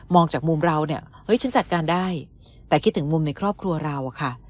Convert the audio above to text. จากมุมเราเนี่ยเฮ้ยฉันจัดการได้แต่คิดถึงมุมในครอบครัวเราอะค่ะ